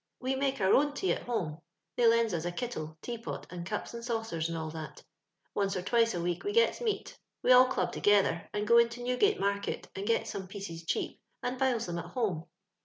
We make our own tea at home ; they lends us a kittle, tea pot, and cups and saucers, and all that Once or twice a week we gets meat We all club together, and go into Newgate Market and gets some pieces dieap, and biles them at home.